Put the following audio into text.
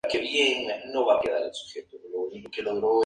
Estas son de planta cuadrada y presentan balaustrada intermedia.